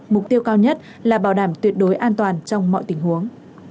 mục tiêu cao nhất là bảo đảm tuyệt đối an toàn trong mọi tình huống